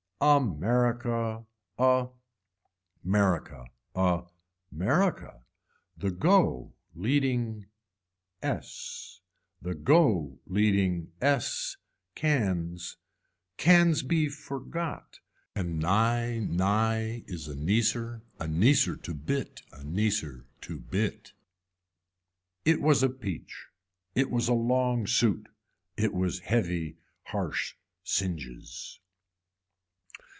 America a merica, a merica the go leading s the go leading s cans, cans be forgot and nigh nigh is a niecer a niecer to bit, a niecer to bit. It was a peach, it was a long suit, it was heavy harsh singes.